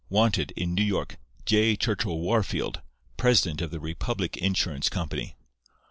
Wanted, in New York, J. Churchill Wahrfield, president of the Republic Insurance Company.